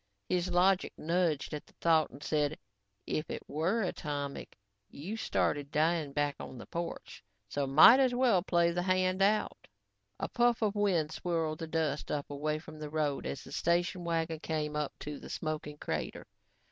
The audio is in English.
His logic nudged at the thought and said, "If it were atomic, you started dying back on the porch, so might as well play the hand out." A puff of wind swirled the dust up away from the road as the station wagon came up to the smoking crater.